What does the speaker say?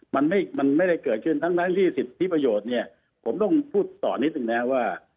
มันไม่ได้เกิดขึ้นทั้งที่สิทธิประโยชน์เนี่ยผมต้องพูดต่อนิดหนึ่งนะว่า